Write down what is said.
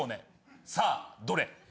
さあどれ？